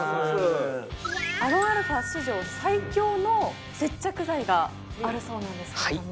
アロンアルフア史上最強の接着剤があるそうなんですけども。